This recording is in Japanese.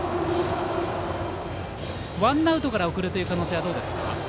ワンアウトから送るという可能性はどうですか。